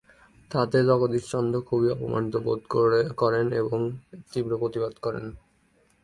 তাতে জগদীশচন্দ্র খুবই অপমানিত বোধ করেন এবং এর তীব্র প্রতিবাদ করেন।